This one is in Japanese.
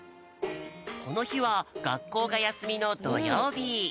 このひはがっこうがやすみのどようび。